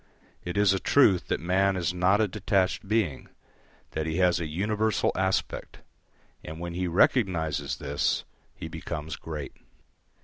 It is a truth that man is not a detached being, that he has a universal aspect; and when he recognises this he becomes great.